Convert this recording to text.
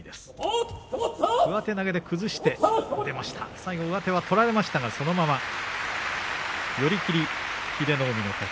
最後上手は取られましたがそのまま寄り切り、英乃海の勝ち。